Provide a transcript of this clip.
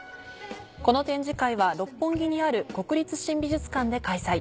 この展示会は六本木にある国立新美術館で開催。